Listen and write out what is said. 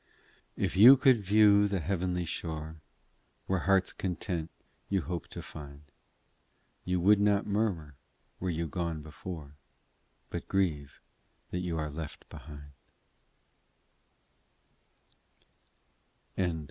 "If you could view the heavenly shore, Where heart's content you hope to find, You would not murmur were you gone before, But grieve that you are left behind."